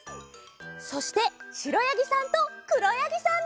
そしてしろやぎさんとくろやぎさんです。